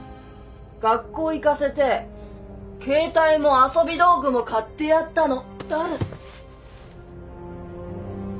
学校行かせてケータイも遊び道具も買ってやったの誰だよ。